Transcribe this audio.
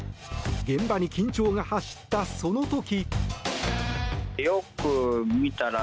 現場に緊張が走ったその時。